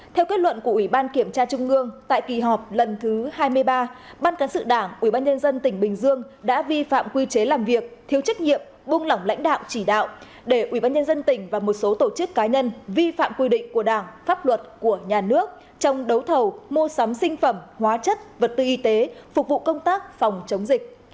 theo kết luận của ubnd trung ương tại kỳ họp lần thứ hai mươi ba ban cán sự đảng ubnd tỉnh bình dương đã vi phạm quy chế làm việc thiếu trách nhiệm buông lỏng lãnh đạo chỉ đạo để ubnd tỉnh và một số tổ chức cá nhân vi phạm quy định của đảng pháp luật của nhà nước trong đấu thầu mua sắm sinh phẩm hóa chất vật tư y tế phục vụ công tác phòng chống dịch